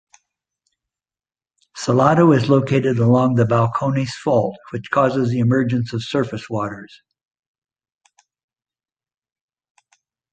Salado is located along the Balcones Fault, which causes the emergence of surface waters.